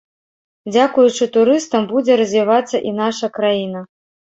Дзякуючы турыстам будзе развівацца і наша краіна.